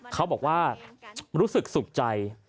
เขาบอกว่ารู้สึกสุขใจ